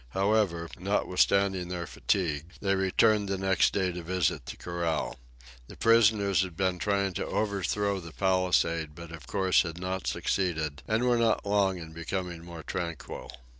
However, notwithstanding their fatigue, they returned the next day to visit the corral. The prisoners had been trying to overthrow the palisade, but of course had not succeeded, and were not long in becoming more tranquil.